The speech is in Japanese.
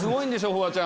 フワちゃん。